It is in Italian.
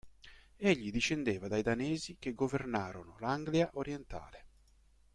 Egli discendeva dai Danesi che governarono l'Anglia orientale.